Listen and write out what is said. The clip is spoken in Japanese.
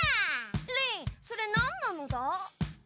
リンそれなんなのだ？